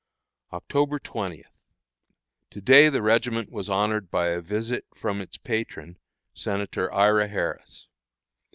October 20. To day the regiment was honored by a visit from its patron, Senator Ira Harris.